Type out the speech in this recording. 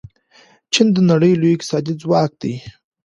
چین د نړۍ لوی اقتصادي ځواک دی.